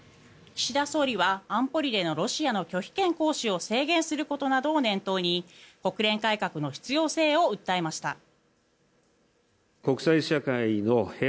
岸田総理は安保理でのロシアの拒否権行使を制限することなどを念頭に国連改革の必要性を訴えました。